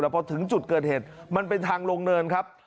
พอถึงจุดเกิดเหตุมันเป็นทางลงเนินครับ